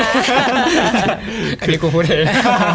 อันนี้กูพูดเอง